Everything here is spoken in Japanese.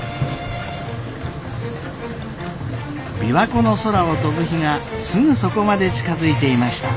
琵琶湖の空を飛ぶ日がすぐそこまで近づいていました。